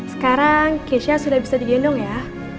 sekarang keisha sudah bisa digendong ya